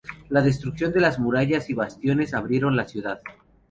La destrucción de las murallas y bastiones abrieron la ciudad.